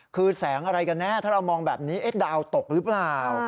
คือแสงอะไรกันแน่ถ้าเรามองแบบนี้ดาวตกหรือเปล่า